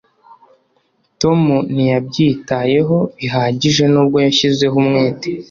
Tom ntiyabyitayeho bihagije nubwo yashyizeho umwete.